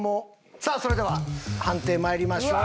さあそれでは判定まいりましょう。